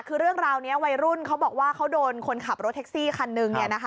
คือเรื่องราวนี้วัยรุ่นเขาบอกว่าเขาโดนคนขับรถแท็กซี่คันหนึ่ง